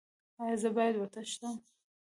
ایا زه باید وتښتم؟